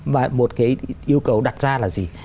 và một cái yêu cầu đặt ra là gì